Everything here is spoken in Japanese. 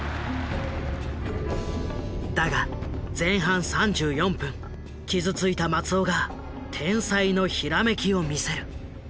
だが前半３４分傷ついた松尾が天才のひらめきを見せる。